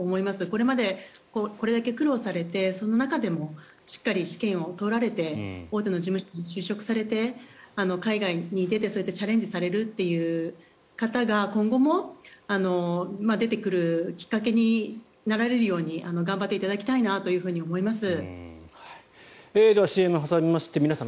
これまでこれだけ苦労されてその中でもしっかり試験を通られて大手の事務所に就職されて海外に出て、そうやってチャレンジされるという方が今後も出てくるきっかけになられるように頑張っていただきたいなと思います。